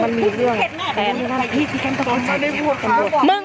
มันมีเรื่อง